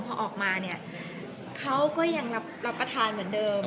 พอออกมาเนี่ยเขาก็ยังรับประทานเหมือนเดิม